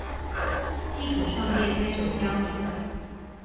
矽谷創業推手教你